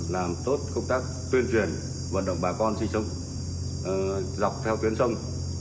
làm tốt công tác tuyên truyền vận động bà con sinh sống dọc theo tuyến sông